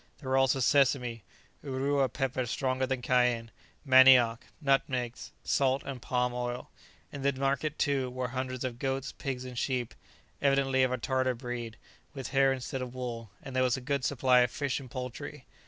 There were also sesame, Urua pepper stronger than Cayenne, manioc, nutmegs, salt, and palm oil. In the market, too, were hundreds of goats, pigs and sheep, evidently of a Tartar breed, with hair instead of wool; and there was a good supply of fish and poultry.